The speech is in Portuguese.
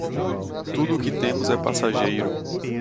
Tudo o que temos é passageiro